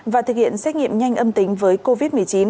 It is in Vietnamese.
và thực hiện xét nghiệm nhanh âm tính với covid một mươi chín